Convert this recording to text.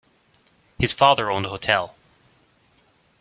His father owned a hotel.